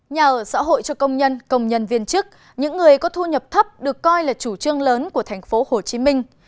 nhà ở xã hội cho công nhân công nhân viên chức những người có thu nhập thấp được coi là chủ trương lớn của thành phố hồ chí minh